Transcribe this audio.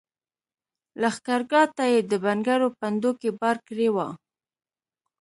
لښګرګاه ته یې د بنګړو پنډوکي بار کړي وو.